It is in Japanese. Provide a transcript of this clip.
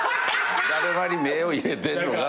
だるまに目を入れてるのが。